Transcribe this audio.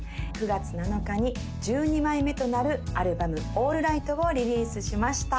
９月７日に１２枚目となるアルバム「オールライト」をリリースしました